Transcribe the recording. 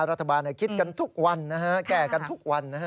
รัฐบาลคิดกันทุกวันนะฮะแก้กันทุกวันนะฮะ